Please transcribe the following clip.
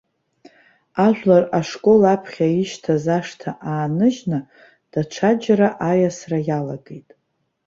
Ажәлар ашкол аԥхьа ишьҭаз ашҭа ааныжьны даҽаџьара аиасра иалагеит.